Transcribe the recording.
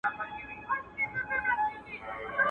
چي رنگ دي دئ د غله، ناسته دي پر څه؟